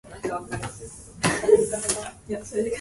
He also later taught Sanskrit to students.